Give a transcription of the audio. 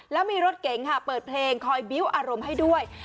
แล้วมีรถเก๋งค่ะเปิดเพลงคอยบิ้วอารมณ์ให้ด้วย